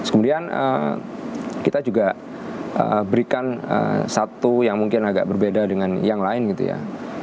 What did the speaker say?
kemudian kita juga berikan satu yang mungkin agak berbeda dengan yang lain gitu ya